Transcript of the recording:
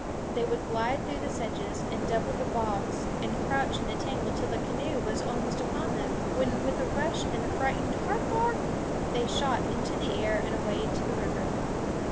They would glide through the sedges, and double the bogs, and crouch in a tangle till the canoe was almost upon them, when with a rush and a frightened hark ark! they shot into the air and away to the river.